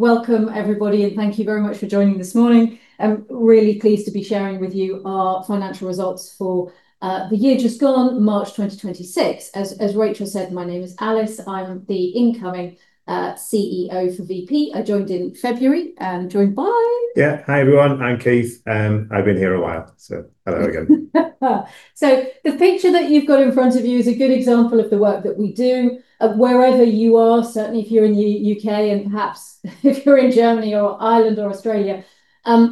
Welcome everybody. Thank you very much for joining this morning. I'm really pleased to be sharing with you our financial results for the year just gone, March 2026. As Rachel said, my name is Alice. I'm the incoming CEO for Vp. I joined in February. Yeah. Hi everyone, I'm Keith. I've been here a while, hello again. The picture that you've got in front of you is a good example of the work that we do. Wherever you are, certainly if you're in the U.K. and perhaps if you're in Germany or Ireland or Australia,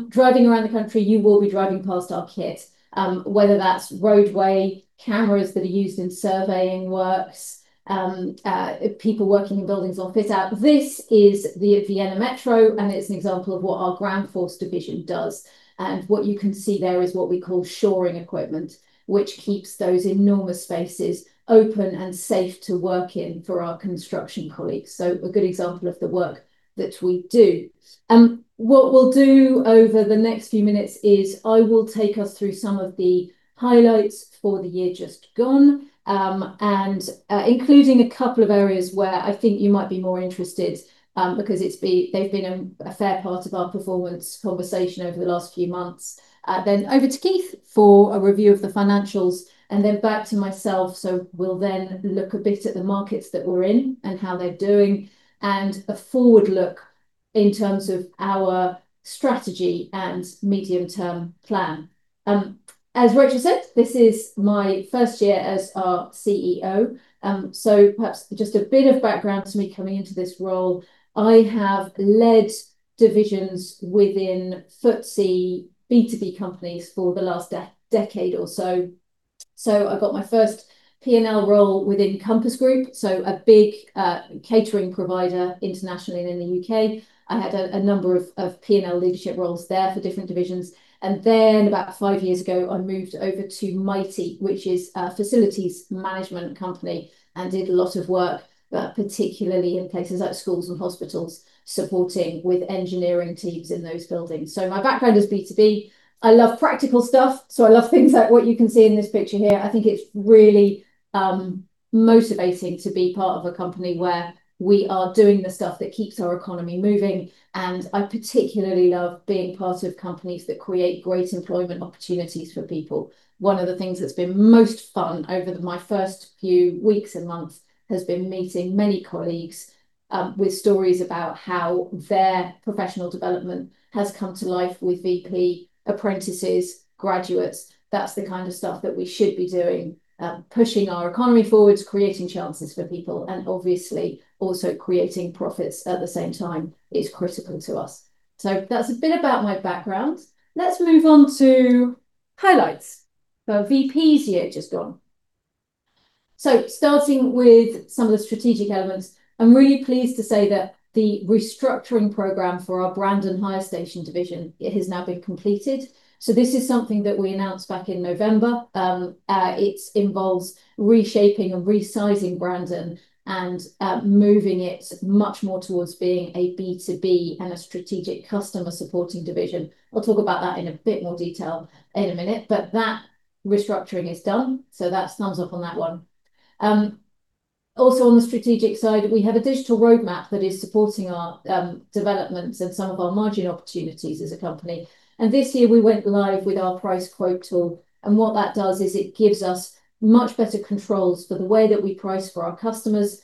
driving around the country, you will be driving past our kit. Whether that's roadway cameras that are used in surveying works, people working in buildings will fit out. This is the Vienna Metro, it's an example of what our Groundforce division does. What you can see there is what we call shoring equipment, which keeps those enormous spaces open and safe to work in for our construction colleagues. A good example of the work that we do. What we'll do over the next few minutes is I will take us through some of the highlights for the year just gone, including a couple of areas where I think you might be more interested, because they've been a fair part of our performance conversation over the last few months. Over to Keith for a review of the financials, back to myself. We'll then look a bit at the markets that we're in and how they're doing, a forward look in terms of our strategy and medium-term plan. As Rachel said, this is my first year as our CEO, perhaps just a bit of background to me coming into this role. I have led divisions within FTSE B2B companies for the last decade or so. I got my first P&L role within Compass Group, a big catering provider internationally and in the U.K. I had a number of P&L leadership roles there for different divisions. About five years ago, I moved over to Mitie, which is a facilities management company, and did a lot of work, particularly in places like schools and hospitals, supporting with engineering teams in those buildings. My background is B2B. I love practical stuff, I love things like what you can see in this picture here. I think it's really motivating to be part of a company where we are doing the stuff that keeps our economy moving, and I particularly love being part of companies that create great employment opportunities for people. One of the things that's been most fun over my first few weeks and months has been meeting many colleagues with stories about how their professional development has come to life with Vp apprentices, graduates. That's the kind of stuff that we should be doing, pushing our economy forwards, creating chances for people, and obviously also creating profits at the same time is critical to us. That's a bit about my background. Let's move on to highlights for Vp's year just gone. Starting with some of the strategic elements, I'm really pleased to say that the restructuring program for our Brandon Hire Station division has now been completed. This is something that we announced back in November. It involves reshaping and resizing Brandon and moving it much more towards being a B2B and a strategic customer supporting division. I'll talk about that in a bit more detail in a minute, that restructuring is done, that's thumbs up on that one. Also on the strategic side, we have a digital roadmap that is supporting our developments and some of our margin opportunities as a company. This year we went live with our price-quote tool, and what that does is it gives us much better controls for the way that we price for our customers.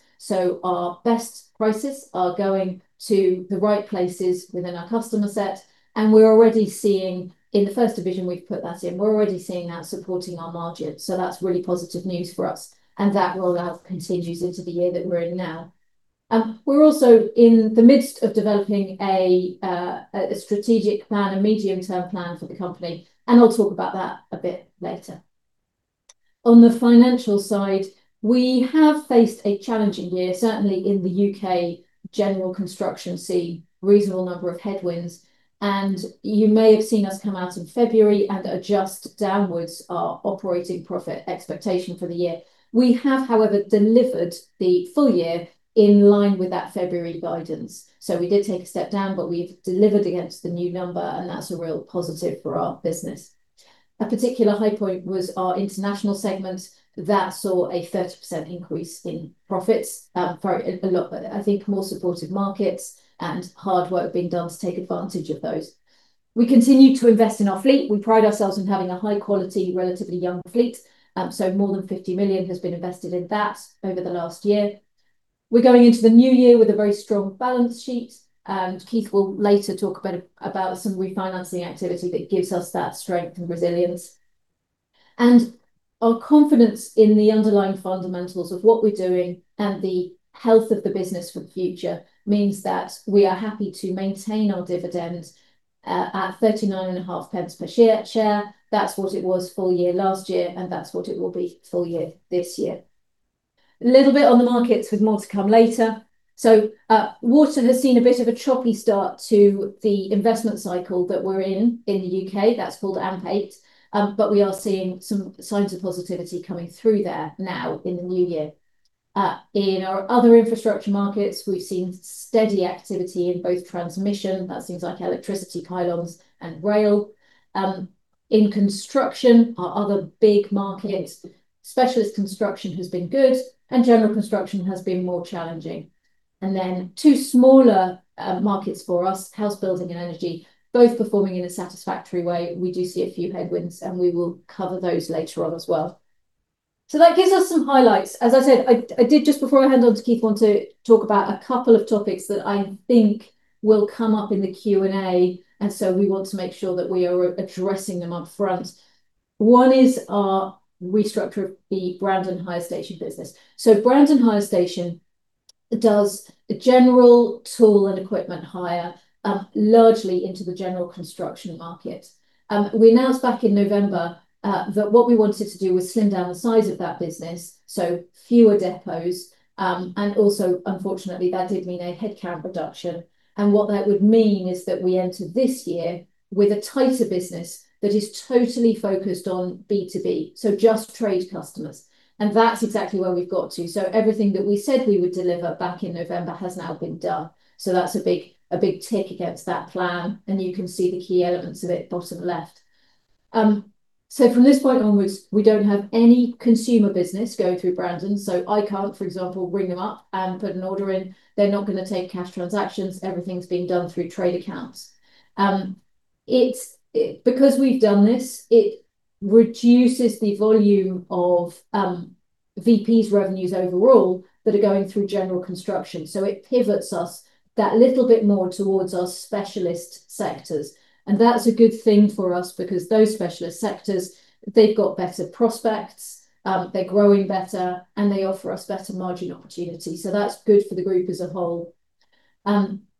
Our best prices are going to the right places within our customer set, and we're already seeing, in the first division we've put that in, we're already seeing that supporting our margins. That's really positive news for us, and that roll-out continues into the year that we're in now. We're also in the midst of developing a strategic plan, a medium-term plan for the company, and I'll talk about that a bit later. On the financial side, we have faced a challenging year, certainly in the U.K. general construction scene, reasonable number of headwinds. You may have seen us come out in February and adjust downwards our operating profit expectation for the year. We have, however, delivered the full year in line with that February guidance. We did take a step down, but we've delivered against the new number and that's a real positive for our business. A particular high point was our International segment, that saw a 30% increase in profits, for a lot, I think, more supportive markets and hard work being done to take advantage of those. We continued to invest in our fleet. We pride ourselves in having a high-quality, relatively young fleet. More than 50 million has been invested in that over the last year. We're going into the new year with a very strong balance sheet. Keith will later talk a bit about some refinancing activity that gives us that strength and resilience. Our confidence in the underlying fundamentals of what we're doing and the health of the business for the future means that we are happy to maintain our dividend at 0.395 per share. That's what it was full year last year, and that's what it will be full year this year. Little bit on the markets with more to come later. Water has seen a bit of a choppy start to the investment cycle that we're in in the U.K. That's called AMP8. We are seeing some signs of positivity coming through there now in the new year. In our other infrastructure markets, we've seen steady activity in both transmission, that seems like electricity columns, and rail. In construction, our other big markets, specialist construction has been good, and general construction has been more challenging. Two smaller markets for us, housebuilding and energy, both performing in a satisfactory way. We do see a few headwinds, and we will cover those later on as well. That gives us some highlights. As I said, I did just before I hand on to Keith, want to talk about a couple of topics that I think will come up in the Q&A, and so we want to make sure that we are addressing them up front. One is our restructure of the Brandon Hire Station business. Brandon Hire Station does general tool and equipment hire, largely into the general construction market. We announced back in November that what we wanted to do was slim down the size of that business, so fewer depots. Also, unfortunately, that did mean a headcount reduction. What that would mean is that we enter this year with a tighter business that is totally focused on B2B, so just trade customers. That's exactly where we've got to. Everything that we said we would deliver back in November has now been done. That's a big tick against that plan, and you can see the key elements of it bottom left. From this point onwards, we don't have any consumer business going through Brandon. I can't, for example, ring them up and put an order in. They're not going to take cash transactions. Everything's being done through trade accounts. Because we've done this, it reduces the volume of Vp's revenues overall that are going through general construction. It pivots us that little bit more towards our specialist sectors. That's a good thing for us because those specialist sectors, they've got better prospects, they're growing better, and they offer us better margin opportunity. That's good for the group as a whole.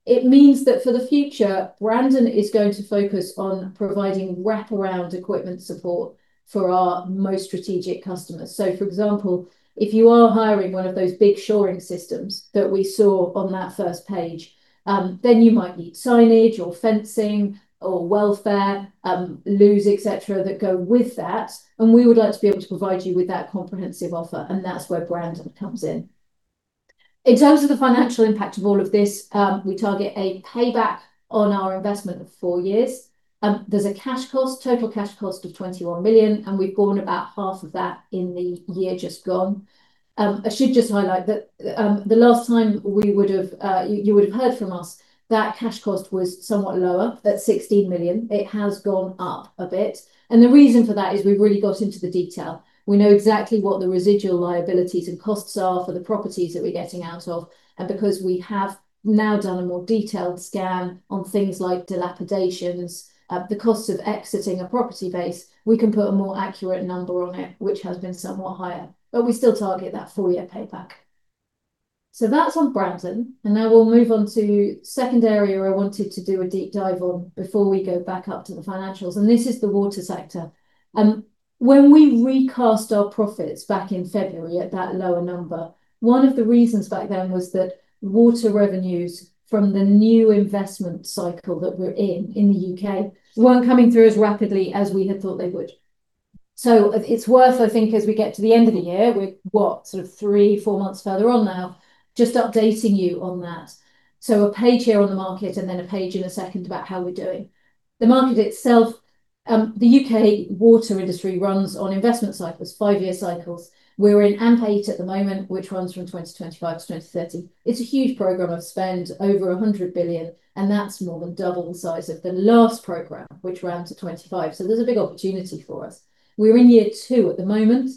It means that for the future, Brandon is going to focus on providing wraparound equipment support for our most strategic customers. For example, if you are hiring one of those big shoring systems that we saw on that first page, then you might need signage or fencing or welfare, loos, et cetera, that go with that, and we would like to be able to provide you with that comprehensive offer, and that's where Brandon comes in. In terms of the financial impact of all of this, we target a payback on our investment of four years. There's a cash cost, total cash cost of 21 million, and we've gone about half of that in the year just gone. I should just highlight that the last time you would have heard from us, that cash cost was somewhat lower at 16 million. It has gone up a bit. The reason for that is we've really got into the detail. We know exactly what the residual liabilities and costs are for the properties that we're getting out of. Because we have now done a more detailed scan on things like dilapidations, the cost of exiting a property base, we can put a more accurate number on it, which has been somewhat higher. We still target that four-year payback. That's on Brandon. Now we'll move on to second area I wanted to do a deep dive on before we go back up to the financials, and this is the water sector. When we recast our profits back in February at that lower number, one of the reasons back then was that water revenues from the new investment cycle that we're in in the U.K. weren't coming through as rapidly as we had thought they would. It's worth, I think, as we get to the end of the year, we're what? Sort of three, four months further on now, just updating you on that. A page here on the market and then a page in a second about how we're doing. The market itself, the U.K. water industry runs on investment cycles, five-year cycles. We're in AMP8 at the moment, which runs from 2025 to 2030. It's a huge program of spend, over 100 billion, and that's more than double the size of the last program, which ran to 2025. There's a big opportunity for us. We're in year two at the moment.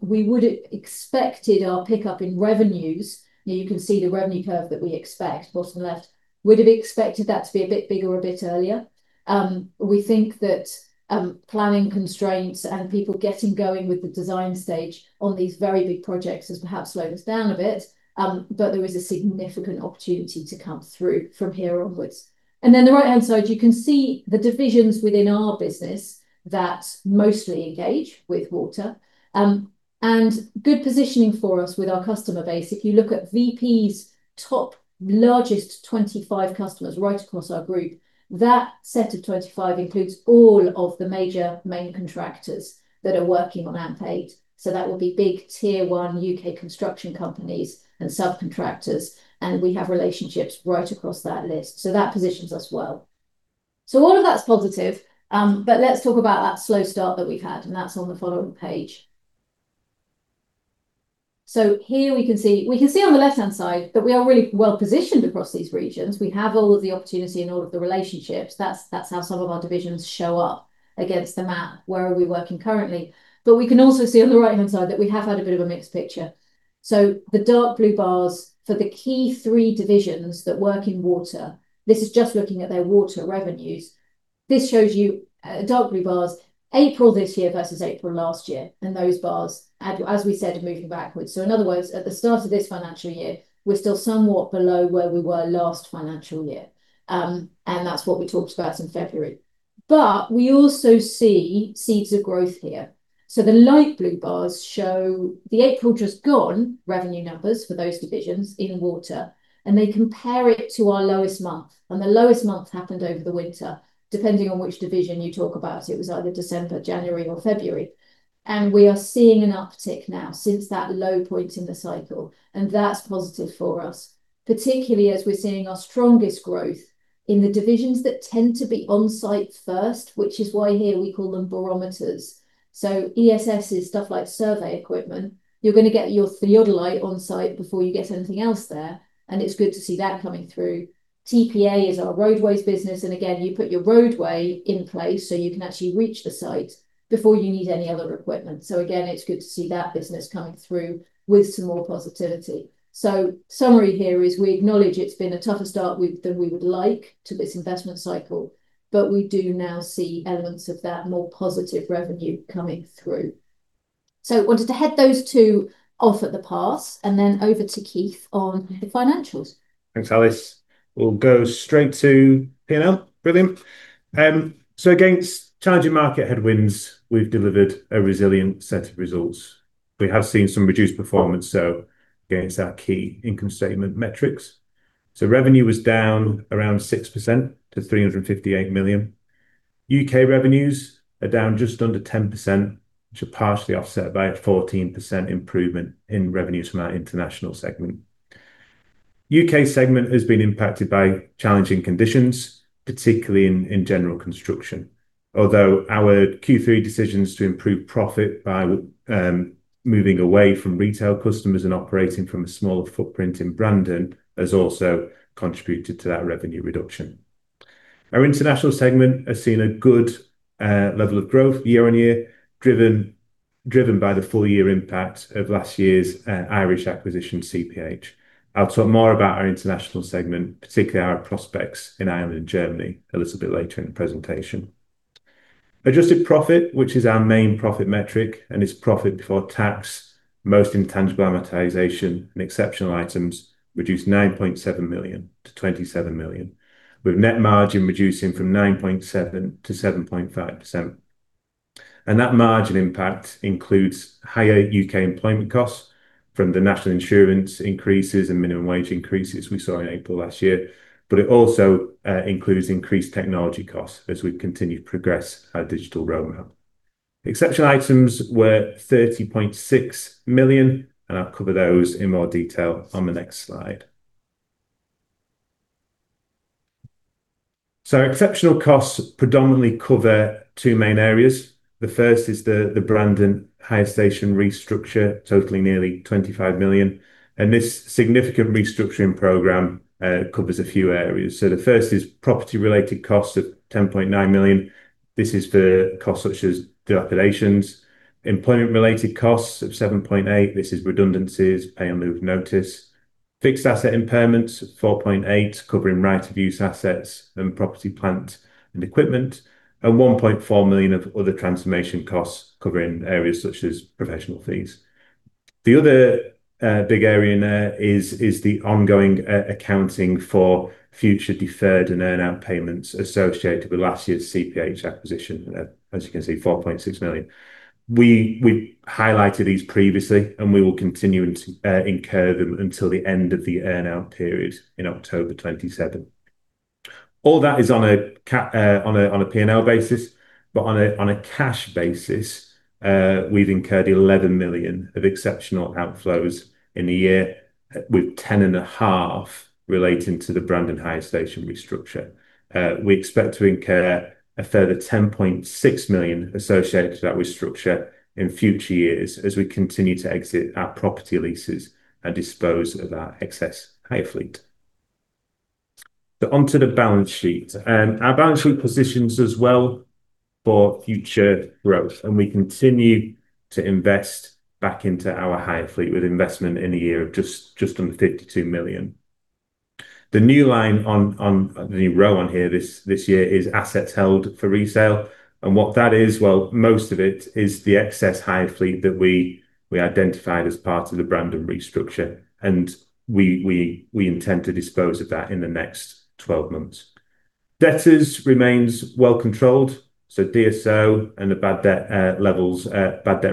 We would expected our pickup in revenues, you can see the revenue curve that we expect, bottom left, would have expected that to be a bit bigger a bit earlier. We think that planning constraints and people getting going with the design stage on these very big projects has perhaps slowed us down a bit. There is a significant opportunity to come through from here onwards. Then the right-hand side, you can see the divisions within our business that mostly engage with water. Good positioning for us with our customer base. If you look at Vp's top largest 25 customers right across our group, that set of 25 includes all of the major main contractors that are working on AMP8. That will be big tier 1 U.K. construction companies and subcontractors, and we have relationships right across that list. That positions us well. All of that's positive, but let's talk about that slow start that we've had, that's on the following page. Here we can see on the left-hand side that we are really well positioned across these regions. We have all of the opportunity and all of the relationships. That's how some of our divisions show up against the map, where are we working currently. We can also see on the right-hand side that we have had a bit of a mixed picture. The dark blue bars for the key three divisions that work in water, this is just looking at their water revenues. This shows you, dark blue bars, April this year versus April last year, and those bars, as we said, are moving backwards. In other words, at the start of this financial year, we're still somewhat below where we were last financial year, and that's what we talked about in February. We also see seeds of growth here. The light blue bars show the April just gone revenue numbers for those divisions in water, and they compare it to our lowest month. The lowest month happened over the winter, depending on which division you talk about. It was either December, January, or February. We are seeing an uptick now since that low point in the cycle, and that's positive for us, particularly as we're seeing our strongest growth in the divisions that tend to be on-site first, which is why here we call them barometers. ESS is stuff like survey equipment. You're going to get your theodolite on-site before you get anything else there, and it's good to see that coming through. TPA is our roadways business, and again, you put your roadway in place so you can actually reach the site before you need any other equipment. Again, it's good to see that business coming through with some more positivity. Summary here is we acknowledge it's been a tougher start than we would like to this investment cycle, we do now see elements of that more positive revenue coming through. Wanted to head those two off at the pass and then over to Keith on the financials. Thanks, Alice. We'll go straight to P&L. Brilliant. Against challenging market headwinds, we've delivered a resilient set of results. We have seen some reduced performance, so against our key income statement metrics. Revenue was down around 6% to 358 million. U.K. revenues are down just under 10%, which are partially offset by a 14% improvement in revenues from our International segment. U.K. segment has been impacted by challenging conditions, particularly in general construction. Although our Q3 decisions to improve profit by moving away from retail customers and operating from a smaller footprint in Brandon has also contributed to that revenue reduction. Our International segment has seen a good level of growth year-on-year, driven by the full-year impact of last year's Irish acquisition, CPH. I'll talk more about our International segment, particularly our prospects in Ireland and Germany, a little bit later in the presentation. Adjusted profit, which is our main profit metric, it is profit before tax, most intangible amortization and exceptional items reduced 9.7 million to 27 million, with net margin reducing from 9.7% to 7.5%. That margin impact includes higher U.K. employment costs from the National Insurance increases and minimum wage increases we saw in April last year. It also includes increased technology costs as we continue to progress our digital roadmap. Exceptional items were 30.6 million, I will cover those in more detail on the next slide. Exceptional costs predominantly cover two main areas. The first is the Brandon Hire Station restructure, totaling nearly 25 million. This significant restructuring program covers a few areas. The first is property-related costs of 10.9 million. This is for costs such as dilapidations. Employment-related costs of 7.8 million. This is redundancies, pay in lieu of notice. Fixed asset impairments, 4.8 million, covering right of use assets and property, plant, and equipment. 1.4 million of other transformation costs covering areas such as professional fees. The other big area is the ongoing accounting for future deferred and earnout payments associated with last year's CPH acquisition. As you can see, 4.6 million. We highlighted these previously, we will continue to incur them until the end of the earnout period in October 2027. All that is on a P&L basis, on a cash basis, we have incurred 11 million of exceptional outflows in the year with 10.5 million relating to the Brandon Hire Station restructure. We expect to incur a further 10.6 million associated to that restructure in future years as we continue to exit our property leases and dispose of our excess hire fleet. Onto the balance sheet. Our balance sheet positions us well for future growth, we continue to invest back into our hire fleet with investment in a year of just under 52 million. The new row on here this year is assets held for resale. What that is, well, most of it is the excess hire fleet that we identified as part of the Brandon restructure. We intend to dispose of that in the next 12 months. Debtors remains well controlled, DSO and the bad debt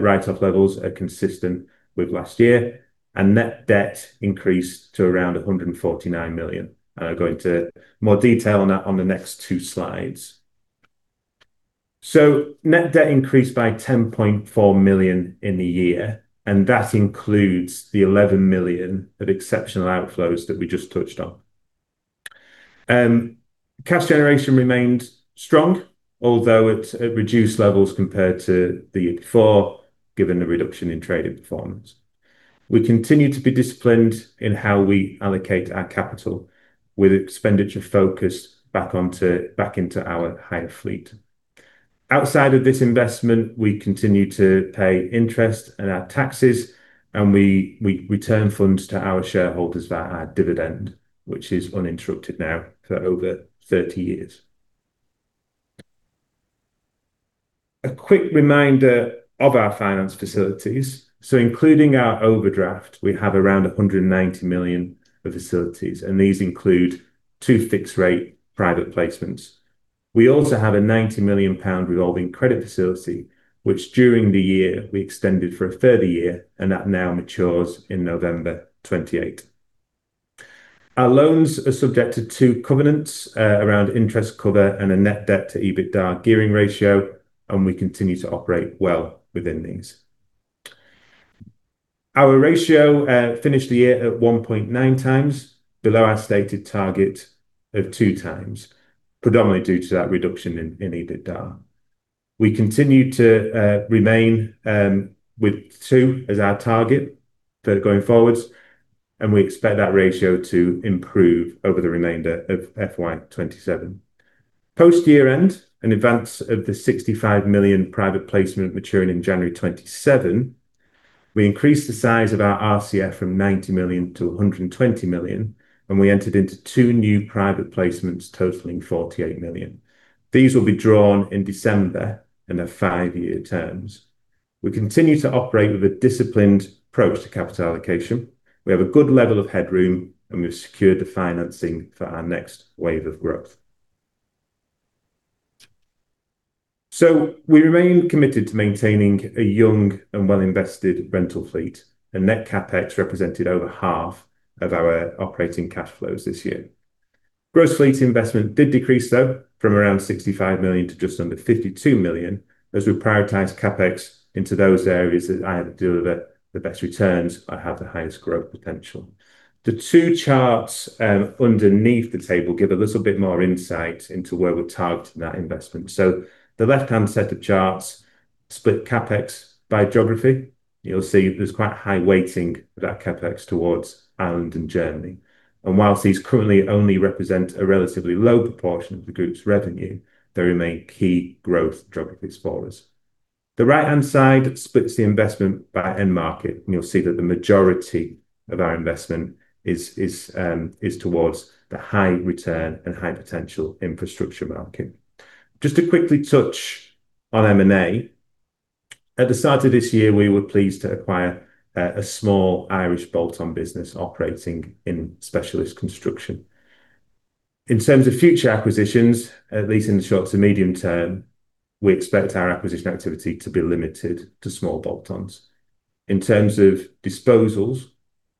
write-off levels are consistent with last year. Net debt increased to around 149 million. I will go into more detail on that on the next two slides. Net debt increased by 10.4 million in the year, that includes the 11 million of exceptional outflows that we just touched on. Cash generation remained strong, although at reduced levels compared to the year before, given the reduction in trading performance. We continue to be disciplined in how we allocate our capital with expenditure focus back into our hire fleet. Outside of this investment, we continue to pay interest and our taxes, we return funds to our shareholders via our dividend, which is uninterrupted now for over 30 years. A quick reminder of our finance facilities. Including our overdraft, we have around 190 million of facilities, these include two fixed rate private placements. We also have a 90 million pound revolving credit facility, which during the year we extended for a further year, that now matures in November 2028. Our loans are subjected to covenants around interest cover and a net debt-to-EBITDA gearing ratio, and we continue to operate well within these. Our ratio finished the year at 1.9x below our stated target of 2x, predominantly due to that reduction in EBITDA. We continue to remain with 2x as our target for going forwards, and we expect that ratio to improve over the remainder of FY 2027. Post-year end, in advance of the 65 million private placement maturing in January 2027, we increased the size of our RCF from 90 million to 120 million, and we entered into 2 new private placements totaling 48 million. These will be drawn in December in their five-year terms. We continue to operate with a disciplined approach to capital allocation. We have a good level of headroom, and we've secured the financing for our next wave of growth. We remain committed to maintaining a young and well-invested rental fleet, and net CapEx represented over half of our operating cash flows this year. Gross fleet investment did decrease, though, from around 65 million to just under 52 million, as we prioritize CapEx into those areas that either deliver the best returns or have the highest growth potential. The two charts underneath the table give a little bit more insight into where we've targeted that investment. The left-hand set of charts split CapEx by geography. You'll see there's quite high weighting of that CapEx towards Ireland and Germany. Whilst these currently only represent a relatively low proportion of the group's revenue, they remain key growth geographies for us. The right-hand side splits the investment by end market, and you'll see that the majority of our investment is towards the high-return and high-potential infrastructure market. Just to quickly touch on M&A, at the start of this year, we were pleased to acquire a small Irish bolt-on business operating in specialist construction. In terms of future acquisitions, at least in the short to medium term, we expect our acquisition activity to be limited to small bolt-ons. In terms of disposals,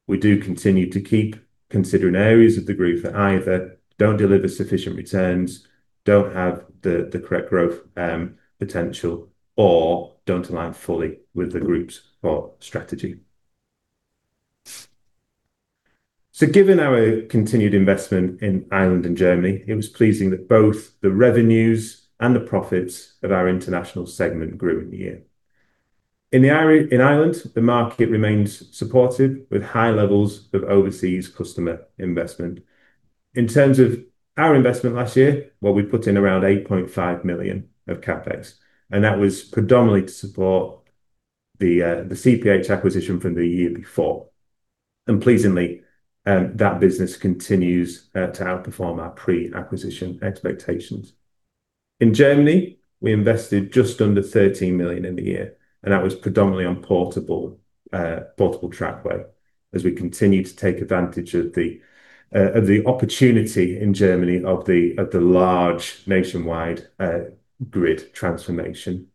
we do continue to keep considering areas of the group that either don't deliver sufficient returns, don't have the correct growth potential, or don't align fully with the group's core strategy. Given our continued investment in Ireland and Germany, it was pleasing that both the revenues and the profits of our International segment grew in the year. In Ireland, the market remains supportive with high levels of overseas customer investment. In terms of our investment last year, what we put in around 8.5 million of CapEx, and that was predominantly to support the CPH acquisition from the year before. Pleasingly, that business continues to outperform our pre-acquisition expectations. In Germany, we invested just under 13 million in the year, and that was predominantly on portable trackway as we continue to take advantage of the opportunity in Germany of the large nationwide grid transformation.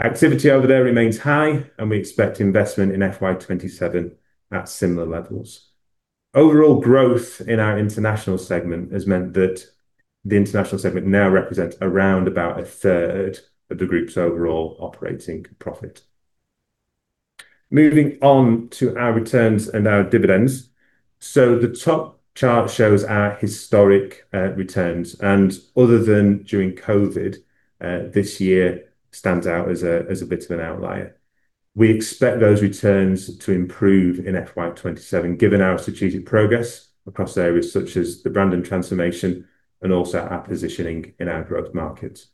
Activity over there remains high, and we expect investment in FY 2027 at similar levels. Overall growth in our International segment has meant that the International segment now represents around about 1/3 of the group's overall operating profit. Moving on to our returns and our dividends. The top chart shows our historic returns, and other than during COVID, this year stands out as a bit of an outlier. We expect those returns to improve in FY 2027, given our strategic progress across areas such as the Brandon transformation and also our positioning in our growth markets.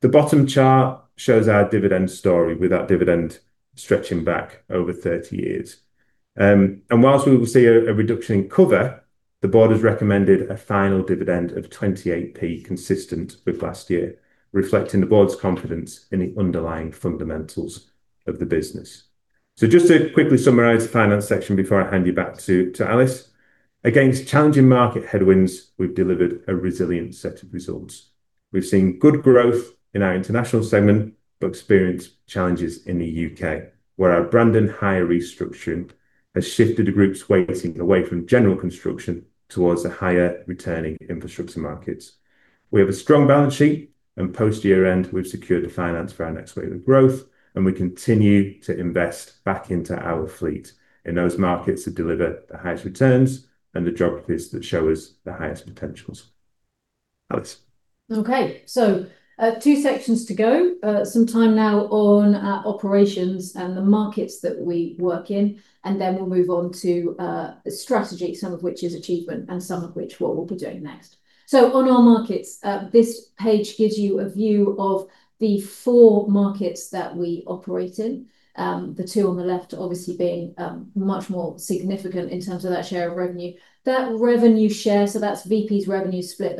The bottom chart shows our dividend story with that dividend stretching back over 30 years. While we will see a reduction in cover, the Board has recommended a final dividend of 0.28 consistent with last year, reflecting the Board's confidence in the underlying fundamentals of the business. Just to quickly summarize the finance section before I hand you back to Alice. Against challenging market headwinds, we've delivered a resilient set of results. We've seen good growth in our International segment but experienced challenges in the U.K., where our Brandon Hire restructuring has shifted the group's weighting away from general construction towards the higher returning infrastructure markets. We have a strong balance sheet, and post-year end, we've secured the finance for our next wave of growth, and we continue to invest back into our fleet in those markets that deliver the highest returns and the geographies that show us the highest potentials. Alice. Okay, two sections to go. Some time now on our operations and the markets that we work in, and then we'll move on to strategy, some of which is achievement and some of which what we'll be doing next. On our markets, this page gives you a view of the four markets that we operate in. The two on the left obviously being much more significant in terms of that share of revenue. That revenue share, that's Vp's revenue split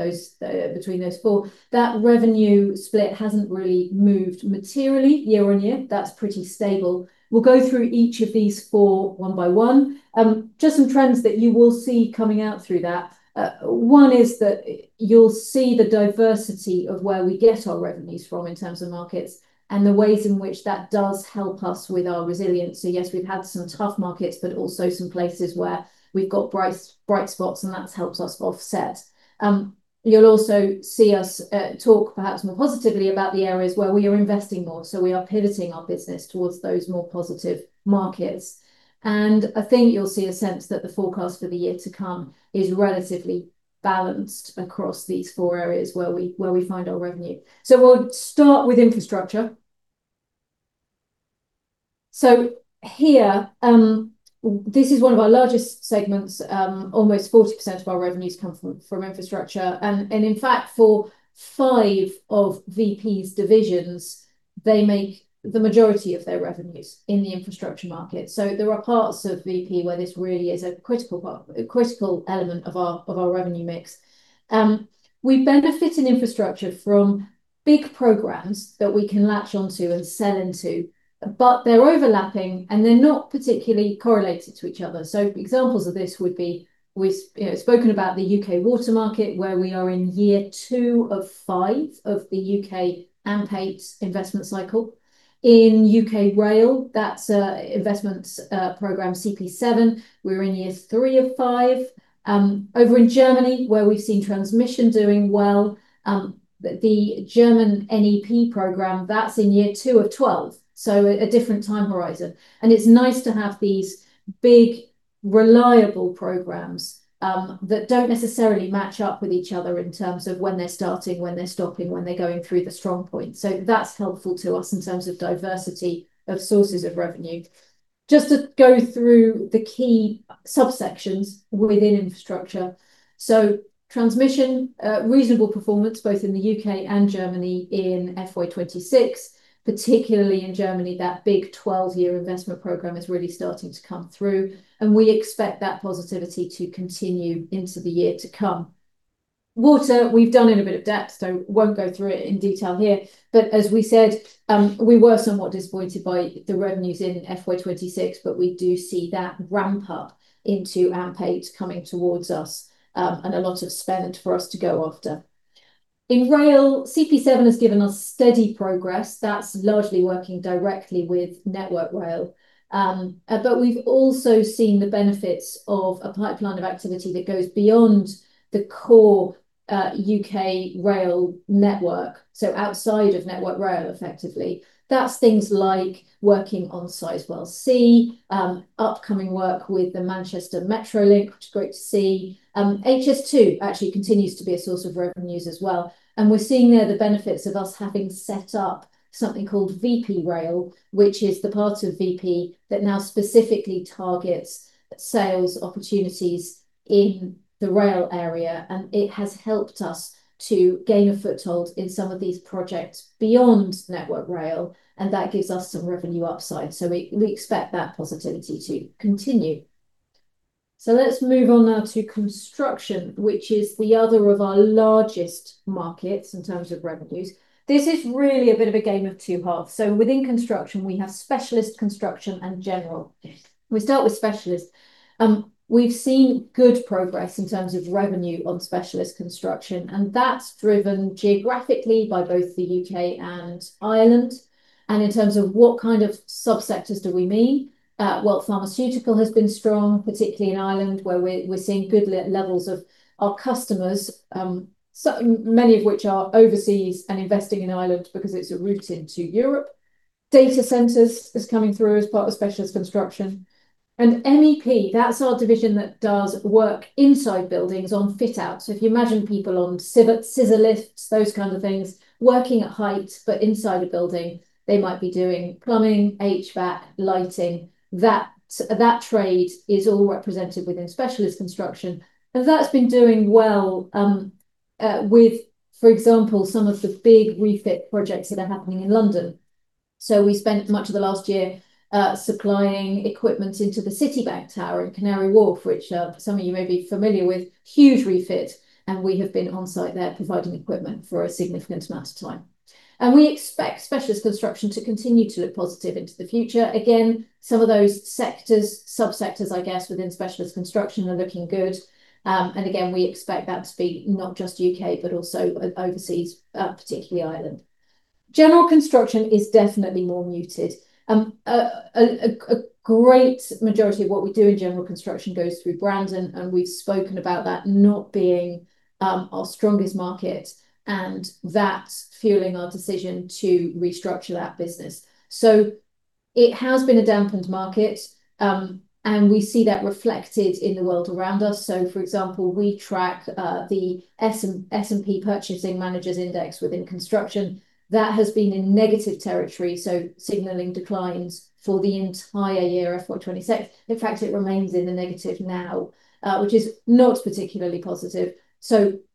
between those four. That revenue split hasn't really moved materially year-on-year. That's pretty stable. We'll go through each of these four one by one. Just some trends that you will see coming out through that. One is that you'll see the diversity of where we get our revenues from in terms of markets and the ways in which that does help us with our resilience. Yes, we've had some tough markets, but also some places where we've got bright spots, and that's helped us offset. You'll also see us talk perhaps more positively about the areas where we are investing more. We are pivoting our business towards those more positive markets. I think you'll see a sense that the forecast for the year to come is relatively balanced across these four areas where we find our revenue. We'll start with Infrastructure. Here, this is one of our largest segments. Almost 40% of our revenues come from infrastructure, and in fact, for five of Vp's divisions, they make the majority of their revenues in the infrastructure market. There are parts of Vp where this really is a critical part, a critical element of our revenue mix. We benefit in infrastructure from big programs that we can latch onto and sell into, they're overlapping, and they're not particularly correlated to each other. Examples of this would be we've spoken about the U.K. water market, where we are in year two of five of the U.K. AMP8 investment cycle. U.K. Rail, that's investment program CP7, we're in year three of five. Over in Germany, where we've seen transmission doing well, the German NEP program, that's in year two of 12, a different time horizon. It's nice to have these big, reliable programs that don't necessarily match up with each other in terms of when they're starting, when they're stopping, when they're going through the strong point. That's helpful to us in terms of diversity of sources of revenue. Just to go through the key subsections within infrastructure. Transmission, reasonable performance both in the U.K. and Germany in FY 2026, particularly in Germany. That big 12-year investment program is really starting to come through, we expect that positivity to continue into the year to come. Water, we've done in a bit of depth, won't go through it in detail here. As we said, we were somewhat disappointed by the revenues in FY 2026, we do see that ramp up into AMP8 coming towards us, and a lot of spend for us to go after. Rail, CP7 has given us steady progress. That's largely working directly with Network Rail. We've also seen the benefits of a pipeline of activity that goes beyond the core U.K. rail network, outside of Network Rail, effectively. That's things like working on Sizewell C, upcoming work with the Manchester Metrolink, which is great to see. HS2 actually continues to be a source of revenues as well, we're seeing there the benefits of us having set up something called Vp Rail, which is the part of Vp that now specifically targets sales opportunities in the rail area. It has helped us to gain a foothold in some of these projects beyond Network Rail, that gives us some revenue upside. We expect that positivity to continue. Let's move on now to construction, which is the other of our largest markets in terms of revenues. This is really a bit of a game of two halves. Within construction, we have Specialist Construction and General. We start with Specialist. We've seen good progress in terms of revenue on Specialist Construction, that's driven geographically by both the U.K. and Ireland. In terms of what kind of sub-sectors do we mean? Pharmaceutical has been strong, particularly in Ireland, where we're seeing good levels of our customers, many of which are overseas and investing in Ireland because it's a route into Europe. Data centers is coming through as part of specialist construction. MEP, that's our division that does work inside buildings on fit-out. If you imagine people on scissor lifts, those kind of things, working at height, but inside a building. They might be doing plumbing, HVAC, lighting. That trade is all represented within Specialist Construction, that's been doing well with, for example, some of the big refit projects that are happening in London. We spent much of the last year supplying equipment into the Citibank Tower in Canary Wharf, which some of you may be familiar with. Huge refit, we have been on-site there providing equipment for a significant amount of time. We expect specialist construction to continue to look positive into the future. Some of those sectors, sub-sectors, I guess, within Specialist Construction are looking good. We expect that to be not just U.K., but also overseas, particularly Ireland. General Construction is definitely more muted. A great majority of what we do in General Construction goes through Brandon, we've spoken about that not being our strongest market, and that's fueling our decision to restructure that business. It has been a dampened market, and we see that reflected in the world around us. For example, we track the S&P Purchasing Managers' Index within construction. That has been in negative territory, signaling declines for the entire year, FY 2026. It remains in the negative now, which is not particularly positive.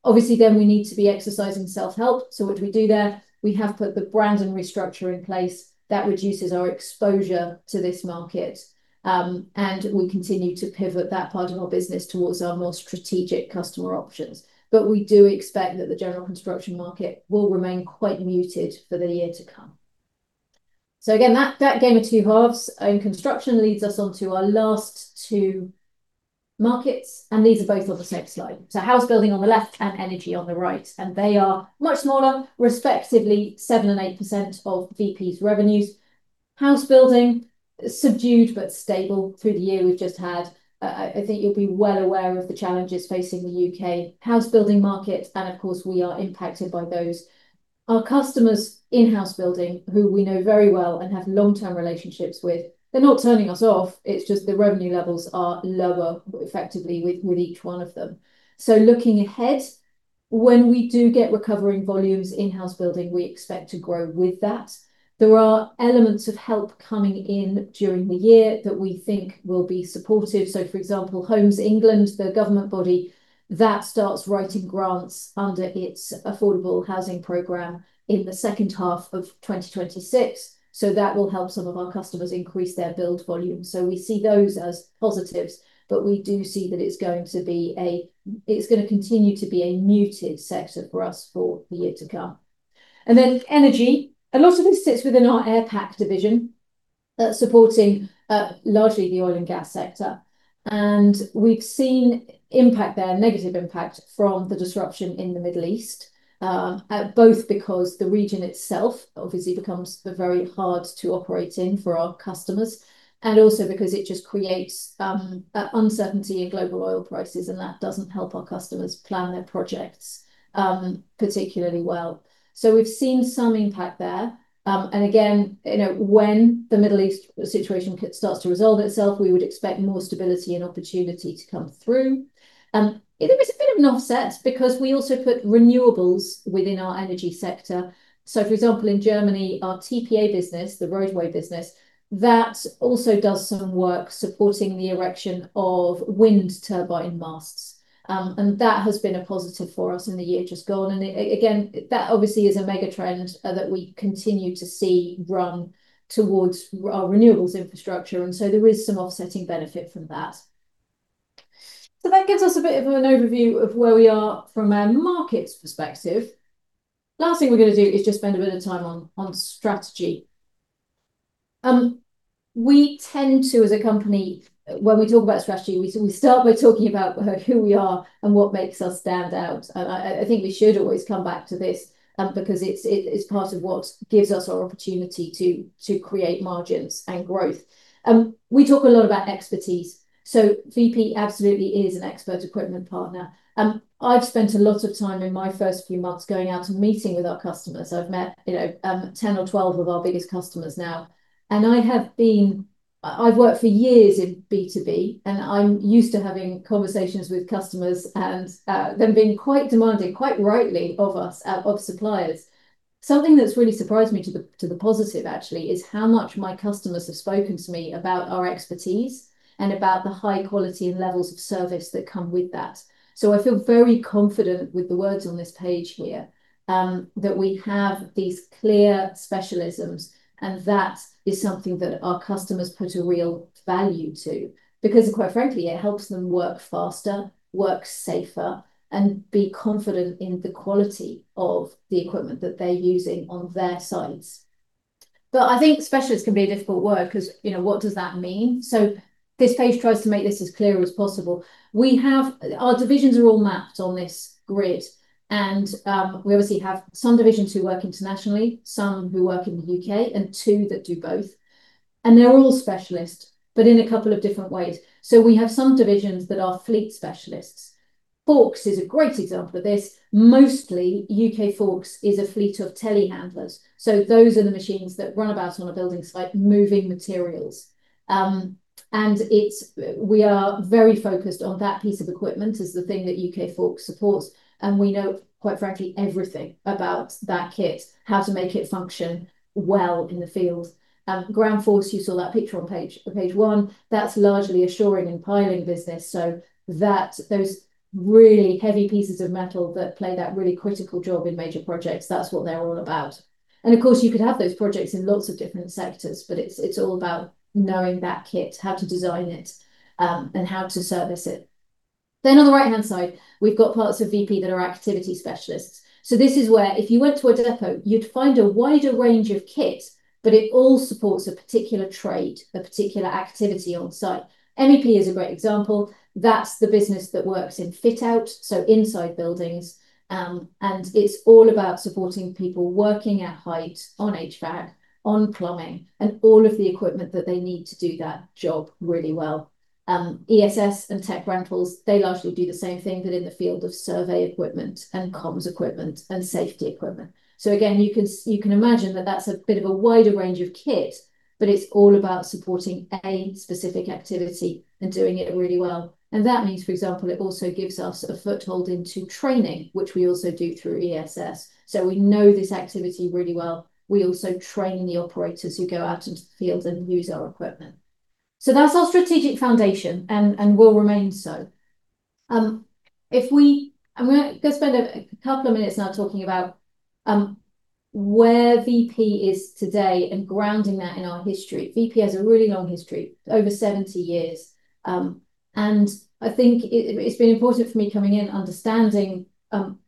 Obviously we need to be exercising self-help. What do we do there? We have put the Brandon restructure in place. That reduces our exposure to this market. We continue to pivot that part of our business towards our more strategic customer options. We do expect that the general construction market will remain quite muted for the year to come. Again, that game of two halves in construction leads us on to our last two markets, and these are both on the next slide. Housebuilding on the left and energy on the right, and they are much smaller, respectively 7% and 8% of Vp's revenues. Housebuilding is subdued but stable through the year we've just had. I think you'll be well aware of the challenges facing the U.K. Housebuilding market, of course, we are impacted by those. Our customers in housebuilding, who we know very well and have long-term relationships with, they're not turning us off, it's just the revenue levels are lower effectively with each one of them. Looking ahead, when we do get recovering volumes in housebuilding, we expect to grow with that. There are elements of help coming in during the year that we think will be supportive. For example, Homes England, the government body, that starts writing grants under its affordable housing program in the second half of 2026, that will help some of our customers increase their build volume. We see those as positives, we do see that it's going to continue to be a muted sector for us for the year to come. Energy. A lot of this sits within our Airpac division, supporting largely the oil and gas sector. We've seen impact there, negative impact from the disruption in the Middle East, both because the region itself obviously becomes very hard to operate in for our customers, also because it just creates uncertainty in global oil prices, that doesn't help our customers plan their projects particularly well. We've seen some impact there. Again, when the Middle East situation starts to resolve itself, we would expect more stability and opportunity to come through. There is a bit of an offset, because we also put renewables within our energy sector. For example, in Germany, our TPA business, the roadway business, that also does some work supporting the erection of wind turbine masts, that has been a positive for us in the year just gone. Again, that obviously is a mega trend that we continue to see run towards our renewables infrastructure, there is some offsetting benefit from that. That gives us a bit of an overview of where we are from a markets perspective. Last thing we're going to do is just spend a bit of time on strategy. We tend to, as a company, when we talk about strategy, we start by talking about who we are and what makes us stand out. I think we should always come back to this, because it is part of what gives us our opportunity to create margins and growth. We talk a lot about expertise, so Vp absolutely is an expert equipment partner. I've spent a lot of time in my first few months going out and meeting with our customers. I've met 10 or 12 of our biggest customers now. I've worked for years in B2B, and I'm used to having conversations with customers and them being quite demanding, quite rightly, of us, of suppliers. Something that's really surprised me to the positive actually is how much my customers have spoken to me about our expertise and about the high quality and levels of service that come with that. I feel very confident with the words on this page here, that we have these clear specialisms, and that is something that our customers put a real value to, because quite frankly, it helps them work faster, work safer, and be confident in the quality of the equipment that they're using on their sites. I think specialist can be a difficult word because what does that mean? This page tries to make this as clear as possible. Our divisions are all mapped on this grid, we obviously have some divisions who work internationally, some who work in the U.K., and two that do both. They're all specialist, but in a couple of different ways. We have some divisions that are fleet specialists. Forks is a great example of this. Mostly U.K. Forks is a fleet of telehandlers, so those are the machines that run about on a building site moving materials. We are very focused on that piece of equipment as the thing that U.K. Forks supports, and we know, quite frankly, everything about that kit, how to make it function well in the field. Groundforce, you saw that picture on page one. That's largely a shoring and piling business, so those really heavy pieces of metal that play that really critical job in major projects, that's what they're all about. Of course, you could have those projects in lots of different sectors, but it's all about knowing that kit, how to design it, and how to service it. On the right-hand side, we've got parts of Vp that are activity specialists. This is where if you went to a depot, you'd find a wider range of kit, but it all supports a particular trade, a particular activity on site. MEP is a great example. That's the business that works in fit-out, so inside buildings, and it's all about supporting people working at height on HVAC, on plumbing, and all of the equipment that they need to do that job really well. ESS and Tech Rentals, they largely do the same thing but in the field of survey equipment and comms equipment and safety equipment. Again, you can imagine that that's a bit of a wider range of kit, but it's all about supporting a specific activity and doing it really well. That means, for example, it also gives us a foothold into training, which we also do through ESS. We know this activity really well. We also train the operators who go out into the field and use our equipment. That's our strategic foundation and will remain so. I'm going to spend a couple of minutes now talking about where Vp is today and grounding that in our history. Vp has a really long history, over 70 years. I think it's been important for me coming in understanding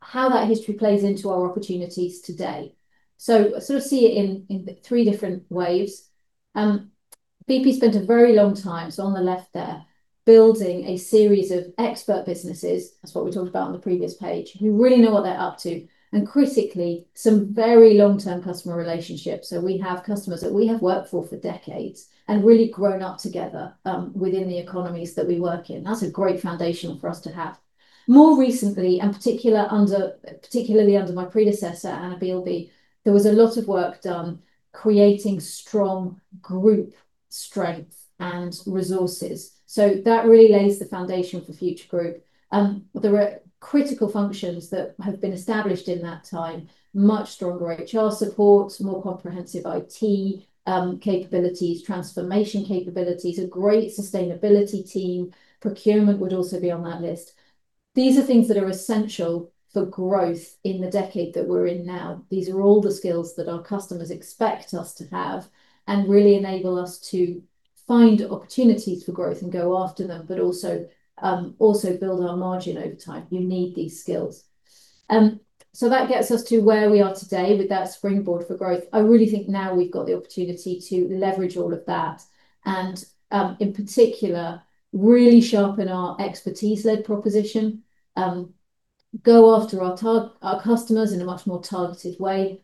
how that history plays into our opportunities today. I sort of see it in three different waves. Vp spent a very long time, so on the left there, building a series of expert businesses, that's what we talked about on the previous page, who really know what they're up to, and critically, some very long-term customer relationships. We have customers that we have worked for for decades and really grown up together within the economies that we work in. That's a great foundation for us to have. More recently, and particularly under my predecessor, Anna Bielby, there was a lot of work done creating strong group strength and resources. That really lays the foundation for future group. There are critical functions that have been established in that time, much stronger HR support, more comprehensive IT capabilities, transformation capabilities, a great sustainability team. Procurement would also be on that list. These are things that are essential for growth in the decade that we're in now. These are all the skills that our customers expect us to have and really enable us to find opportunities for growth and go after them, but also build our margin over time. You need these skills. That gets us to where we are today with that springboard for growth. I really think now we've got the opportunity to leverage all of that and, in particular, really sharpen our expertise-led proposition, go after our customers in a much more targeted way.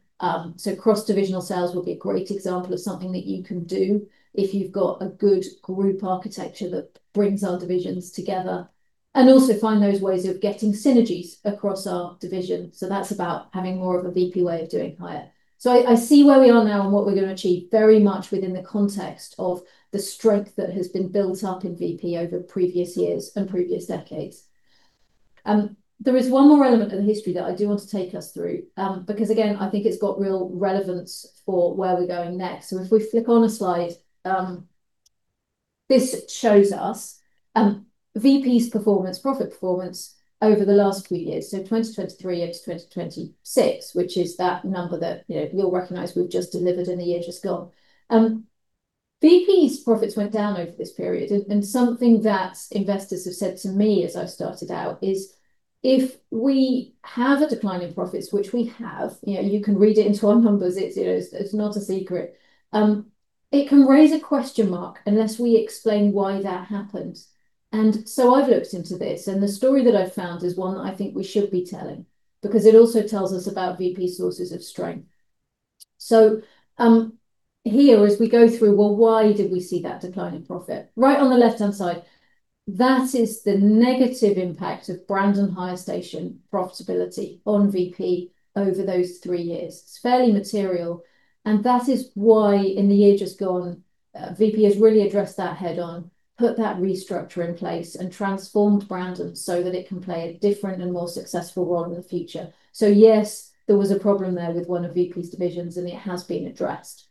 Cross-divisional sales will be a great example of something that you can do if you've got a good group architecture that brings our divisions together. Also find those ways of getting synergies across our division. That's about having more of a Vp way of doing hire. I see where we are now and what we're going to achieve very much within the context of the strength that has been built up in Vp over previous years and previous decades. There is one more element of the history that I do want to take us through, because again, I think it's got real relevance for where we're going next. If we flick on a slide, this shows us Vp's profit performance over the last few years, so 2023 into 2026, which is that number that you'll recognize we've just delivered in the year just gone. Vp's profits went down over this period, something that investors have said to me as I started out is if we have a decline in profits, which we have, you can read it into our numbers, it's not a secret. It can raise a question mark unless we explain why that happened. I've looked into this, and the story that I've found is one I think we should be telling, because it also tells us about Vp sources of strength. Here, as we go through, well, why did we see that decline in profit? Right on the left-hand side, that is the negative impact of Brandon Hire Station profitability on Vp over those three years. It's fairly material, and that is why in the year just gone, Vp has really addressed that head-on, put that restructure in place, and transformed Brandon so that it can play a different and more successful role in the future. Yes, there was a problem there with one of Vp's divisions, and it has been addressed.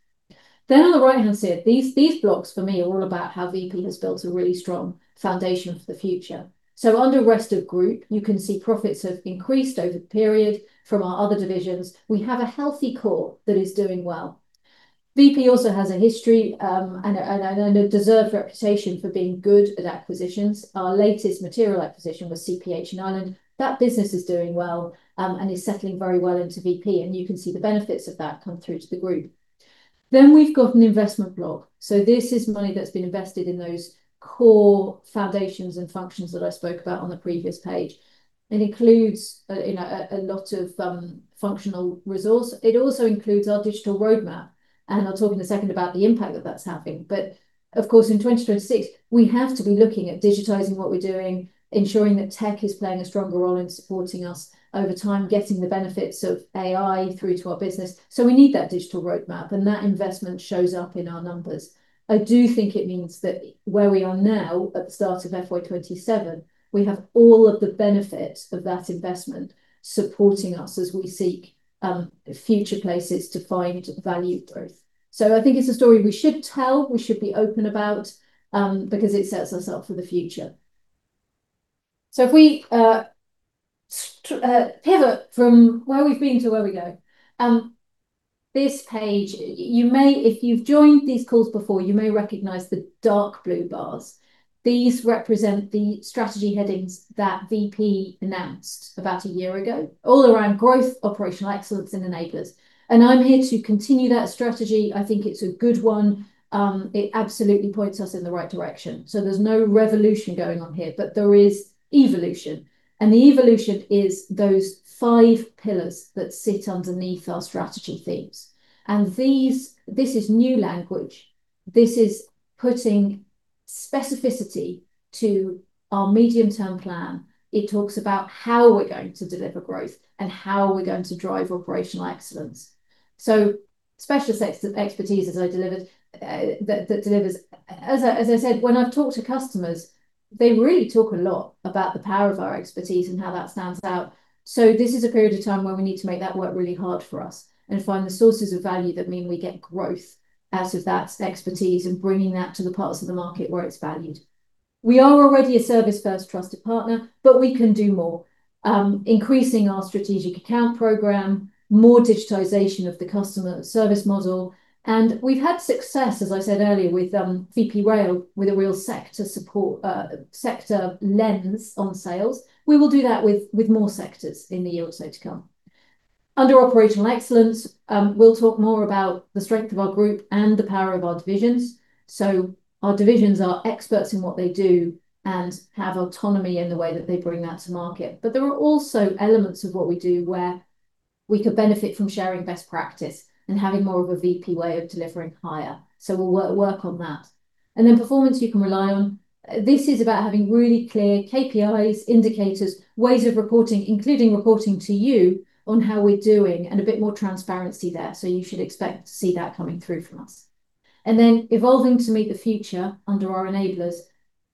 On the right-hand side, these blocks for me are all about how Vp has built a really strong foundation for the future. Under rest of group, you can see profits have increased over the period from our other divisions. We have a healthy core that is doing well. Vp also has a history and a deserved reputation for being good at acquisitions. Our latest material acquisition was CPH in Ireland. That business is doing well and is settling very well into Vp, and you can see the benefits of that come through to the group. We've got an investment block. This is money that's been invested in those core foundations and functions that I spoke about on the previous page. It includes a lot of functional resource. It also includes our digital roadmap, and I'll talk in a second about the impact that that's having. Of course, in 2026, we have to be looking at digitizing what we're doing, ensuring that tech is playing a stronger role in supporting us over time, getting the benefits of AI through to our business. We need that digital roadmap, and that investment shows up in our numbers. I do think it means that where we are now at the start of FY 2027, we have all of the benefit of that investment supporting us as we seek future places to find value growth. I think it's a story we should tell, we should be open about, because it sets us up for the future. If we pivot from where we've been to where we go, this page, if you've joined these calls before, you may recognize the dark blue bars. These represent the strategy headings that Vp announced about a year ago, all around growth, operational excellence, and enablers. I'm here to continue that strategy. I think it's a good one. It absolutely points us in the right direction. There's no revolution going on here, but there is evolution, and the evolution is those five pillars that sit underneath our strategy themes. This is new language. This is putting specificity to our medium-term plan. It talks about how we're going to deliver growth and how we're going to drive operational excellence. Specialist expertise that delivers. As I said, when I've talked to customers, they really talk a lot about the power of our expertise and how that stands out. This is a period of time where we need to make that work really hard for us and find the sources of value that mean we get growth out of that expertise and bringing that to the parts of the market where it's valued. We are already a service-first trusted partner, but we can do more. Increasing our strategic account program, more digitization of the customer service model. We've had success, as I said earlier, with Vp Rail, with a real sector lens on sales. We will do that with more sectors in the year or so to come. Under operational excellence, we'll talk more about the strength of our group and the power of our divisions. Our divisions are experts in what they do and have autonomy in the way that they bring that to market. There are also elements of what we do where we could benefit from sharing best practice and having more of a Vp way of delivering higher. We'll work on that. Performance you can rely on. This is about having really clear KPIs, indicators, ways of reporting, including reporting to you on how we're doing, and a bit more transparency there. You should expect to see that coming through from us. Evolving to meet the future under our enablers.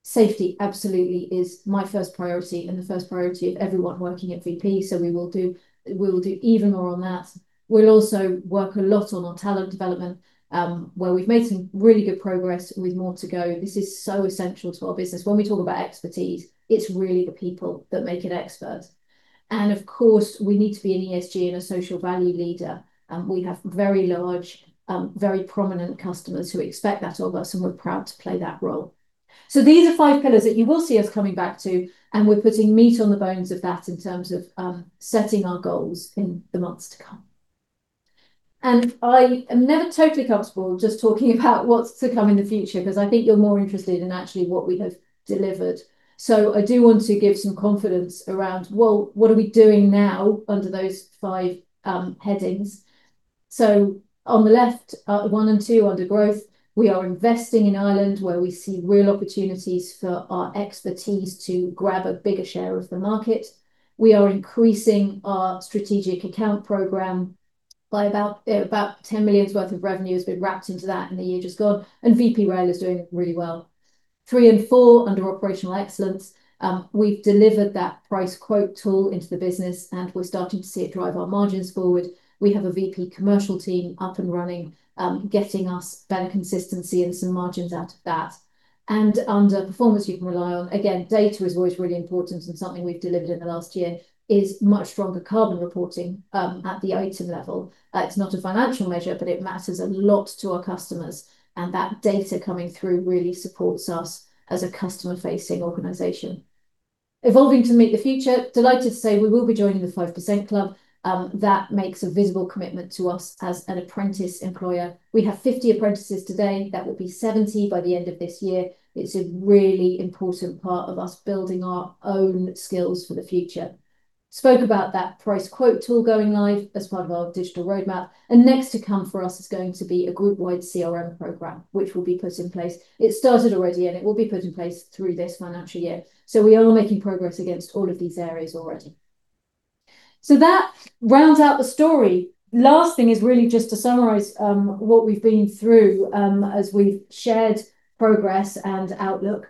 Safety absolutely is my first priority and the first priority of everyone working at Vp. We will do even more on that. We'll also work a lot on our talent development, where we've made some really good progress with more to go. This is so essential to our business. When we talk about expertise, it's really the people that make it expert. Of course, we need to be an ESG and a social value leader. We have very large, very prominent customers who expect that of us, and we're proud to play that role. These are five pillars that you will see us coming back to, and we're putting meat on the bones of that in terms of setting our goals in the months to come. I am never totally comfortable just talking about what's to come in the future, because I think you're more interested in actually what we have delivered. I do want to give some confidence around, well, what are we doing now under those five headings. On the left, one and two under growth, we are investing in Ireland, where we see real opportunities for our expertise to grab a bigger share of the market. We are increasing our strategic account program by about 10 million worth of revenue has been wrapped into that in the year just gone, and Vp Rail is doing really well. Three and four under operational excellence. We've delivered that price-quote tool into the business, and we're starting to see it drive our margins forward. We have a Vp Commercial team up and running, getting us better consistency and some margins out of that. Under performance you can rely on, again, data is always really important and something we've delivered in the last year is much stronger carbon reporting at the item level. It's not a financial measure, but it matters a lot to our customers, and that data coming through really supports us as a customer-facing organization. Evolving to meet the future, delighted to say we will be joining the 5% Club. That makes a visible commitment to us as an apprentice employer. We have 50 apprentices today. That will be 70 by the end of this year. It's a really important part of us building our own skills for the future. Spoke about that price-quote tool going live as part of our digital roadmap. Next to come for us is going to be a group wide CRM program, which will be put in place. It started already, and it will be put in place through this financial year. We are making progress against all of these areas already. That rounds out the story. Last thing is really just to summarize what we've been through as we've shared progress and outlook.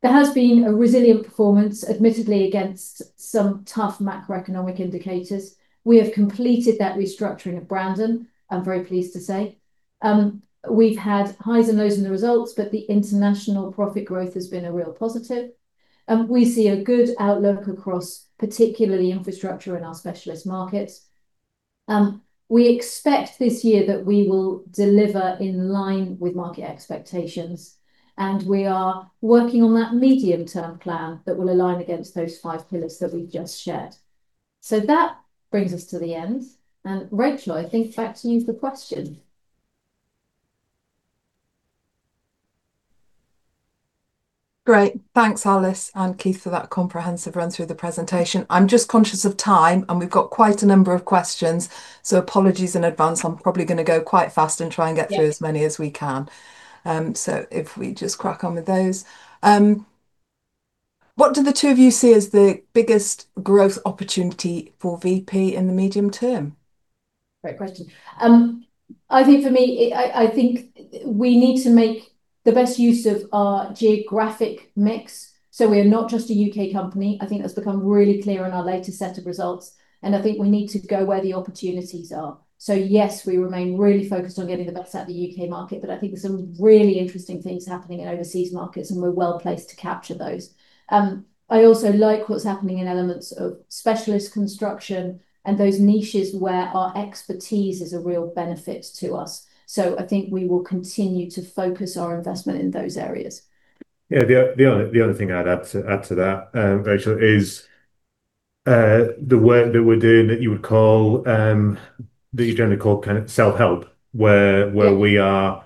There has been a resilient performance, admittedly against some tough macroeconomic indicators. We have completed that restructuring of Brandon, I'm very pleased to say. We've had highs and lows in the results, but the international profit growth has been a real positive. We see a good outlook across particularly infrastructure and our specialist markets. We expect this year that we will deliver in line with market expectations, and we are working on that medium-term plan that will align against those five pillars that we've just shared. That brings us to the end. Rachel, I think back to you for questions. Great. Thanks, Alice and Keith for that comprehensive run through the presentation. I'm just conscious of time, and we've got quite a number of questions, apologies in advance. I'm probably going to go quite fast and try and get through as many as we can. If we just crack on with those. What do the two of you see as the biggest growth opportunity for Vp in the medium term? Great question. I think for me, I think we need to make the best use of our geographic mix. We're not just a U.K. company. I think that's become really clear in our latest set of results, I think we need to go where the opportunities are. Yes, we remain really focused on getting the best out of the U.K. market, but I think there's some really interesting things happening in overseas markets, we're well placed to capture those. I also like what's happening in elements of Specialist Construction and those niches where our expertise is a real benefit to us. I think we will continue to focus our investment in those areas. Yeah. The only thing I'd add to that, Rachel, is the work that we're doing that you would call, that you generally call kind of self-help, where we are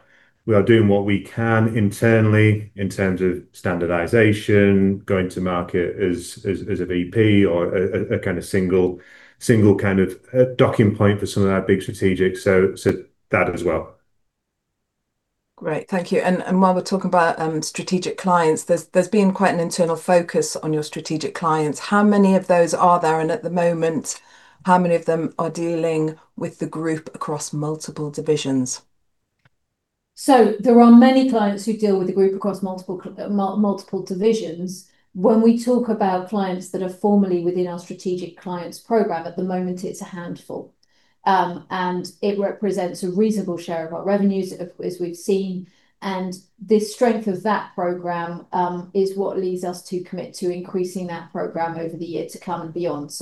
doing what we can internally in terms of standardization, going to market as a Vp or a kind of single kind of docking point for some of our big strategic, so that as well. Great. Thank you. While we're talking about strategic clients, there's been quite an internal focus on your strategic clients. How many of those are there, and at the moment, how many of them are dealing with the group across multiple divisions? There are many clients who deal with the group across multiple divisions. When we talk about clients that are formally within our strategic clients program, at the moment, it's a handful, and it represents a reasonable share of our revenues as we've seen. The strength of that program is what leads us to commit to increasing that program over the year to come and beyond.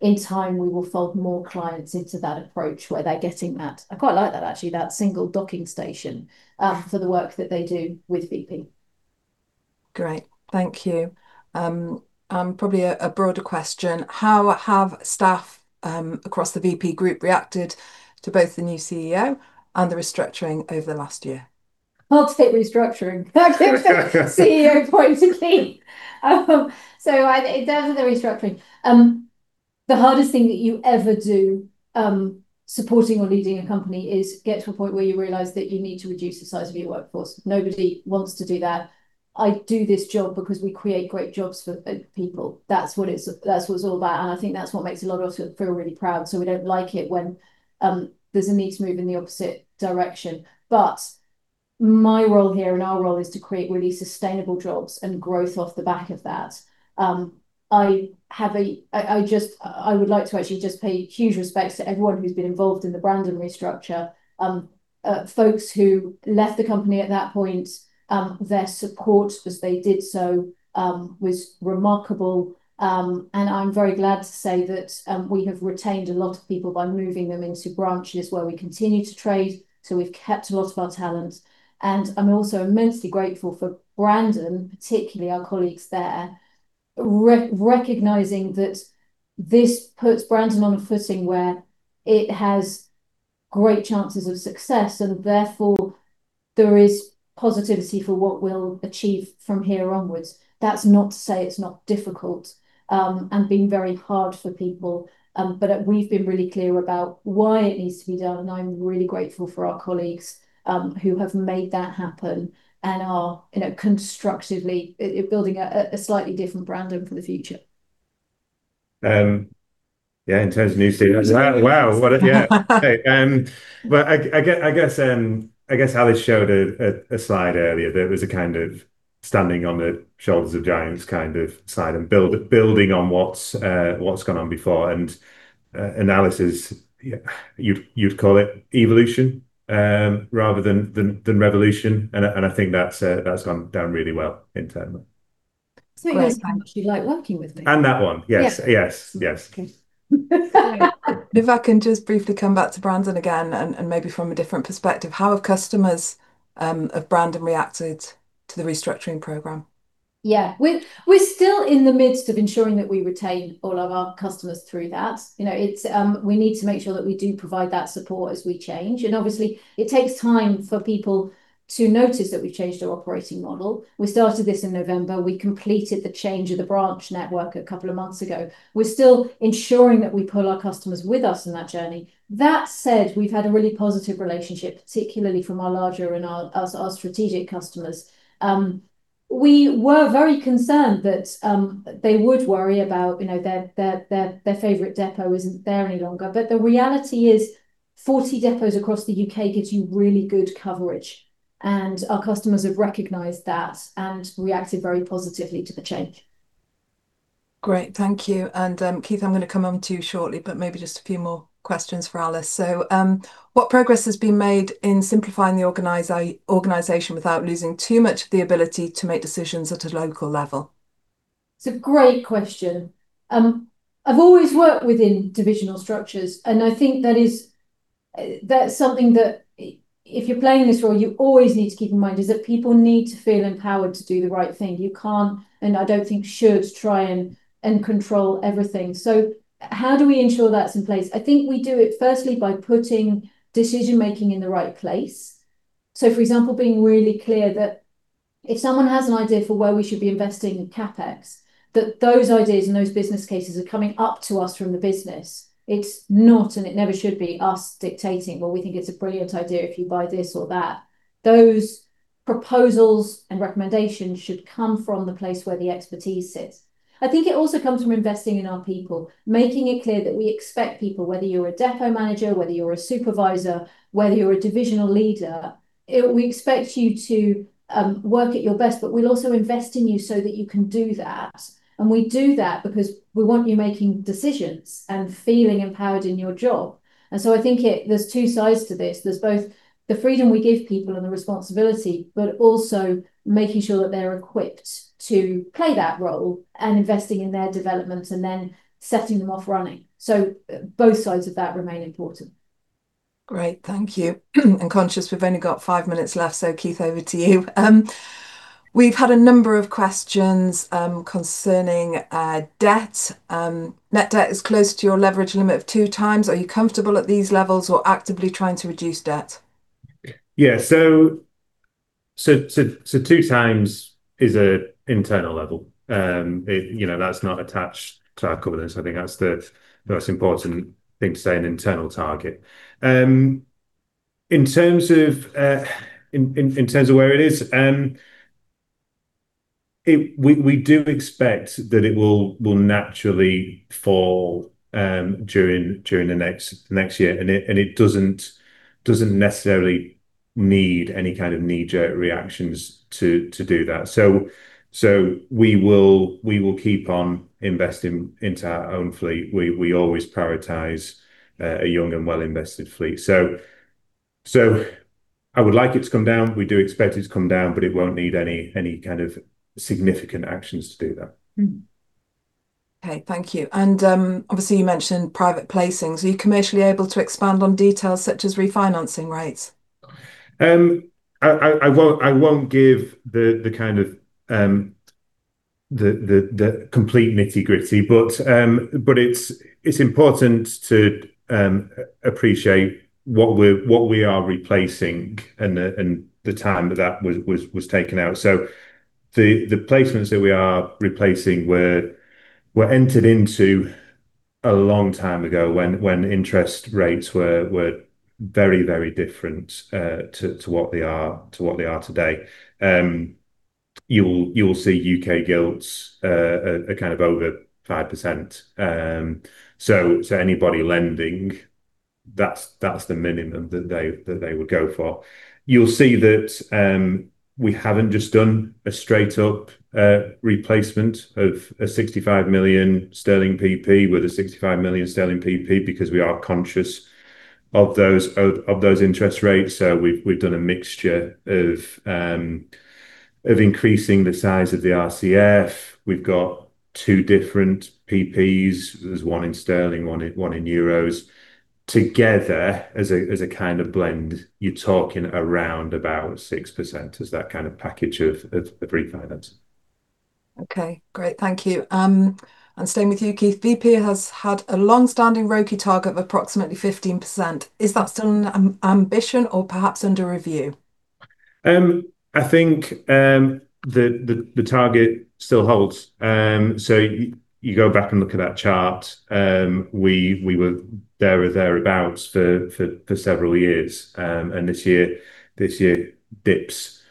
In time, we will fold more clients into that approach where they're getting that, I quite like that actually, that single docking station for the work that they do with Vp. Great. Thank you. Probably a broader question. How have staff across the Vp group reacted to both the new CEO and the restructuring over the last year? Hard to take restructuring. CEO point to keep. Definitely the restructuring. The hardest thing that you ever do supporting or leading a company is get to a point where you realize that you need to reduce the size of your workforce. Nobody wants to do that. I do this job because we create great jobs for people. That's what it's all about, and I think that's what makes a lot of us feel really proud, so we don't like it when there's a need to move in the opposite direction. My role here and our role is to create really sustainable jobs and growth off the back of that. I would like to actually just pay huge respects to everyone who's been involved in the Brandon restructure. Folks who left the company at that point, their support as they did so, was remarkable. I'm very glad to say that we have retained a lot of people by moving them into branches where we continue to trade. We've kept a lot of our talent, and I'm also immensely grateful for Brandon, particularly our colleagues there, recognizing that this puts Brandon on a footing where it has great chances of success, and therefore, there is positivity for what we'll achieve from here onwards. That's not to say it's not difficult, and been very hard for people. We've been really clear about why it needs to be done, and I'm really grateful for our colleagues, who have made that happen and are constructively building a slightly different Brandon for the future. Yeah, in terms of new CEO. Exactly. Wow. What a—yeah. Okay. I guess Alice showed a slide earlier that was a kind of standing on the shoulders of giants kind of slide, and building on what's gone on before. Alice's, you'd call it evolution, rather than revolution, and I think that's gone down really well internally. It is— like working with me. That one. Yeah. Yes. Okay. If I can just briefly come back to Brandon again, and maybe from a different perspective. How have customers of Brandon reacted to the restructuring program? We're still in the midst of ensuring that we retain all of our customers through that. We need to make sure that we do provide that support as we change. Obviously, it takes time for people to notice that we've changed our operating model. We started this in November. We completed the change of the branch network a couple of months ago. We're still ensuring that we put our customers with us on that journey. That said, we've had a really positive relationship, particularly from our larger and our strategic customers. We were very concerned that they would worry about their favorite depot isn't there any longer. The reality is 40 depots across the U.K. gives you really good coverage. Our customers have recognized that and reacted very positively to the change. Great. Thank you. Keith, I'm going to come on to you shortly, but maybe just a few more questions for Alice. What progress has been made in simplifying the organization without losing too much of the ability to make decisions at a local level? It's a great question. I've always worked within divisional structures. I think that's something that if you're playing this role, you always need to keep in mind, is that people need to feel empowered to do the right thing. You can't, and I don't think should try and control everything. How do we ensure that's in place? I think we do it firstly by putting decision-making in the right place. For example, being really clear that if someone has an idea for where we should be investing in CapEx, that those ideas and those business cases are coming up to us from the business. It's not, it never should be us dictating, "Well, we think it's a brilliant idea if you buy this or that." Those proposals and recommendations should come from the place where the expertise sits. I think it also comes from investing in our people. Making it clear that we expect people, whether you're a depot manager, whether you're a supervisor, whether you're a divisional leader, we expect you to work at your best. We'll also invest in you so that you can do that. I think there's two sides to this. There's both the freedom we give people and the responsibility, also making sure that they're equipped to play that role and investing in their development, then setting them off running. Both sides of that remain important. Great. Thank you. I'm conscious, we've only got five minutes left, so Keith, over to you. We've had a number of questions concerning debt. Net debt is close to your leverage limit of 2x. Are you comfortable at these levels or actively trying to reduce debt? Yeah. Two times is an internal level. That's not attached to our governance. I think that's the most important thing to say, an internal target. In terms of where it is, we do expect that it will naturally fall during the next year, and it doesn't necessarily need any kind of knee-jerk reactions to do that. We will keep on investing into our own fleet. We always prioritize a young and well-invested fleet. I would like it to come down. We do expect it to come down, but it won't need any kind of significant actions to do that. Okay, thank you. Obviously you mentioned private placings. Are you commercially able to expand on details such as refinancing rates? I won't give the complete nitty-gritty, but it's important to appreciate what we are replacing and the time that was taken out. The placements that we are replacing were entered into a long time ago when interest rates were very different to what they are today. You'll see U.K. gilts are kind of over 5%. Anybody lending, that's the minimum that they would go for. You'll see that we haven't just done a straight-up replacement of a 65 million sterling PP with a 65 million sterling PP because we are conscious of those interest rates. We've done a mixture of increasing the size of the RCF. We've got two different PPs. There's one in sterling, one in euros. Together as a kind of blend, you're talking around about 6% as that kind of package of refinance. Okay, great. Thank you. Staying with you, Keith. Vp has had a long-standing ROCE target of approximately 15%. Is that still an ambition or perhaps under review? I think the target still holds. You go back and look at that chart. We were there or thereabouts for several years. This year dips.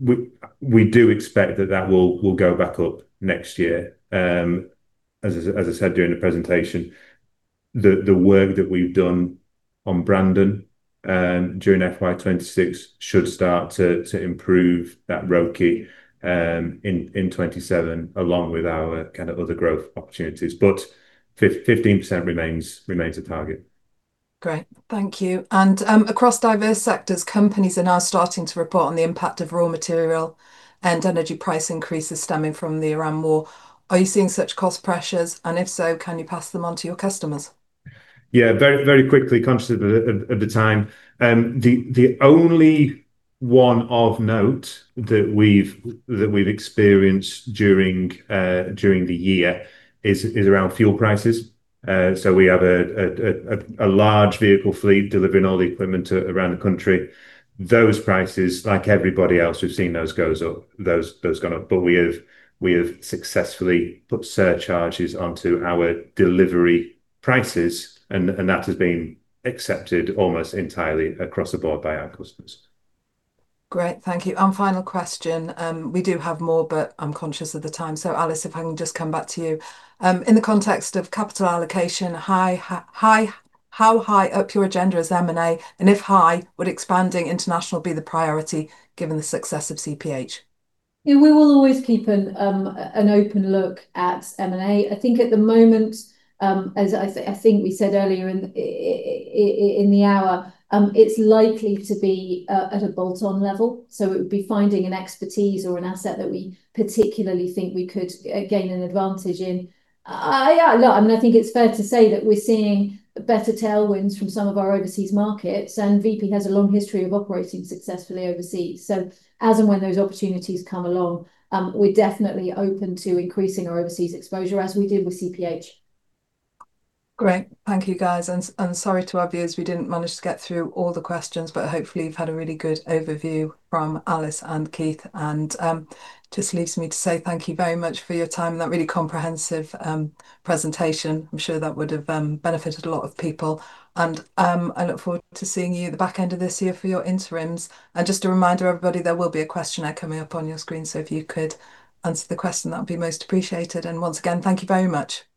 We do expect that that will go back up next year. As I said during the presentation, the work that we've done on Brandon, during FY 2026 should start to improve that ROCE in 2027 along with our kind of other growth opportunities. 15% remains a target. Great. Thank you. Across diverse sectors, companies are now starting to report on the impact of raw material and energy price increases stemming from the Iran war. Are you seeing such cost pressures, and if so, can you pass them on to your customers? Yeah, very quickly, conscious of the time. The only one of note that we've experienced during the year is around fuel prices. We have a large vehicle fleet delivering all the equipment around the country. Those prices, like everybody else, we've seen those gone up. We have successfully put surcharges onto our delivery prices, and that has been accepted almost entirely across the board by our customers. Great. Thank you. Final question. We do have more, but I'm conscious of the time. Alice, if I can just come back to you. In the context of capital allocation, how high up your agenda is M&A, and if high, would expanding international be the priority given the success of CPH? We will always keep an open look at M&A. I think at the moment, as I think we said earlier in the hour, it's likely to be at a bolt-on level, so it would be finding an expertise or an asset that we particularly think we could gain an advantage in. Look, I think it's fair to say that we're seeing better tailwinds from some of our overseas markets, and Vp has a long history of operating successfully overseas. As and when those opportunities come along, we're definitely open to increasing our overseas exposure as we did with CPH. Great. Thank you, guys. Sorry to our viewers, we didn't manage to get through all the questions, but hopefully you've had a really good overview from Alice and Keith and just leaves me to say thank you very much for your time and that really comprehensive presentation. I'm sure that would have benefited a lot of people. I look forward to seeing you at the back end of this year for your interims. Just a reminder, everybody, there will be a questionnaire coming up on your screen. If you could answer the question, that would be most appreciated. Once again, thank you very much. Thank you.